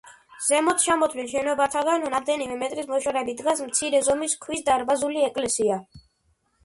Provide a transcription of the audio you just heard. ზემოჩამოთვლილ შენობათაგან რამდენიმე მეტრის მოშორებით დგას მცირე ზომის ქვის დარბაზული ეკლესია.